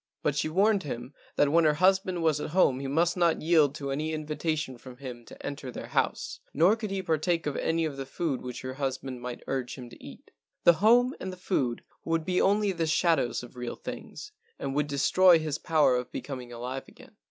But she warned him that when her hus¬ band was at home he must not yield to any invi¬ tation from him to enter their house, nor could he partake of any of the food which her husband might urge him to eat. The home and the food would be only the shadows of real things, and would destroy his power of becoming alive again.